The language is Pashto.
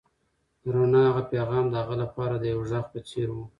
د رڼا هغه پیغام د هغه لپاره د یو غږ په څېر و.